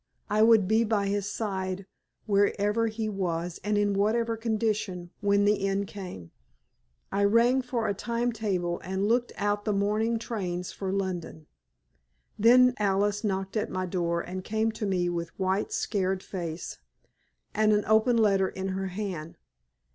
I would be by his side wherever he was and in whatever condition when the end came. I rang for a time table and looked out the morning trains for London. Then Alice knocked at my door and came to me with white, scared face, and an open letter in her hand.